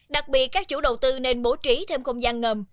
đặc biệt các chủ đầu tư nên bố trí thêm không gian ngầm